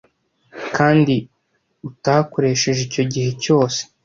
Kandi utakoresheje icyo gihe cyose